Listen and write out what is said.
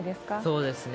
そうですね。